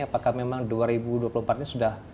apakah memang dua ribu dua puluh empat ini sudah